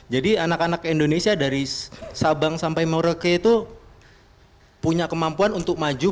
jadi anak anak indonesia dari sabang sampai mureke itu punya kemampuan untuk maju